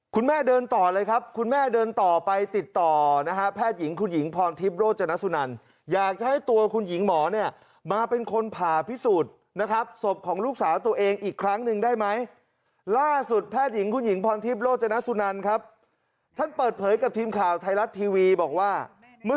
คุณแม่เดินต่อเลยครับคุณแม่เดินต่อไปติดต่อนะฮะแพทย์หญิงคุณหญิงพรทิพย์โรจนสุนันอยากจะให้ตัวคุณหญิงหมอเนี่ยมาเป็นคนผ่าพิสูจน์นะครับศพของลูกสาวตัวเองอีกครั้งหนึ่งได้ไหมล่าสุดแพทย์หญิงคุณหญิงพรทิพย์โรจนสุนันครับท่านเปิดเผยกับทีมข่าวไทยรัฐทีวีบอกว่าเมื่อ